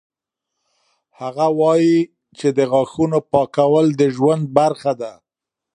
هغه وایي چې د غاښونو پاکول د ژوند برخه ده.